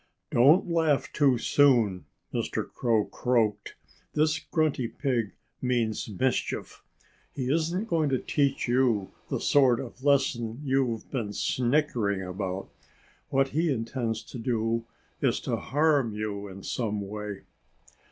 "Don't laugh too soon!" Mr. Crow croaked. "This Grunty Pig means mischief. He isn't going to teach you the sort of lesson you've been snickering about. What he intends to do is to harm you in some way."